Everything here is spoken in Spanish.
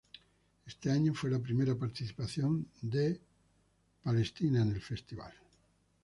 Este año fue la primera participación de Israel en el festival.